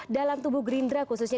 dalam tubuh gerindra khususnya